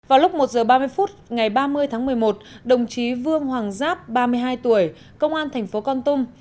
vào lúc một h ba mươi phút ngày ba mươi tháng một mươi một đồng chí vương hoàng giáp ba mươi hai tuổi công an thành phố con tum